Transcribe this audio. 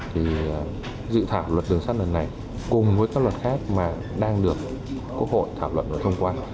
thì dự thảo luật đường sắt lần này cùng với các luật khác mà đang được quốc hội thảo luận và thông qua